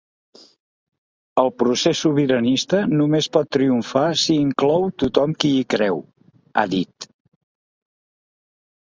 El procés sobiranista només pot triomfar si inclou tothom qui hi creu –ha dit–.